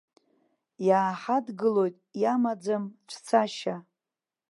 Иааҳадгылоит, иамаӡам цәцашьа.